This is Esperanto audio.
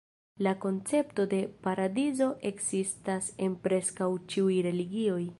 La koncepto de paradizo ekzistas en preskaŭ ĉiuj religioj.